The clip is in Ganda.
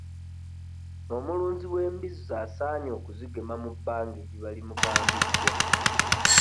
Omulunzi w'embizzi asaanye okuzigema mu bbanga eriba limugambiddwa.